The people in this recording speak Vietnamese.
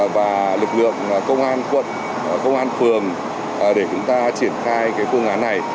và lực lượng công an quận công an phường để chúng ta triển khai phương án này